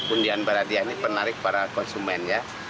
undian baradia ini penarik para konsumen ya